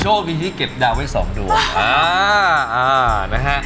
โชควิธีเก็บดาวไว้สองดวง